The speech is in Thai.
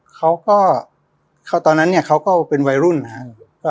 เขาก็ตอนนั้นเนี่ยเขาก็เป็นวัยรุ่นนะครับ